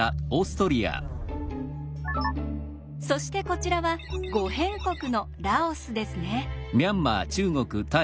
そしてこちらは「五辺国」のラオスですね。